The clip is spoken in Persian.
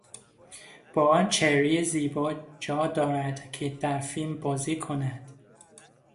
با آن چهرهی زیبا جا دارد که در فیلم بازی کند!